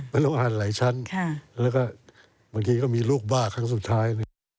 เป็นโรงอาหารหลายชั้นแล้วก็บางทีก็มีลูกบ้าครั้งสุดท้าย